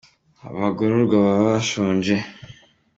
abagororwa baba bashonje